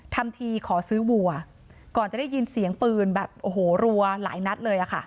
ทำทีขอซื้อวัวก่อนจะได้ยินเสียงปืนแบบโอ้โหรัวหลายนัดเลยอะค่ะ